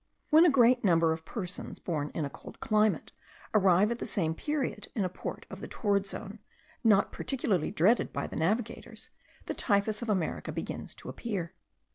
When a great number of persons, born in a cold climate, arrive at the same period in a port of the torrid zone, not particularly dreaded by navigators, the typhus of America begins to appear.